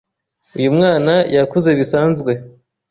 Uyu mwana yakuze bisanzwe.